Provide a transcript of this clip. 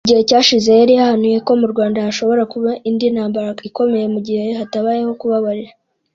Mu gihe cyashize yari yahanuye ko mu Rwanda hashobora kuba indi ntambara ikomeye mu gihe hatabayeho kubabarira